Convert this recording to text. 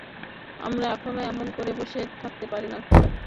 আমরা এভাবে এমন করে বসে থাকতে পারি না এখানে।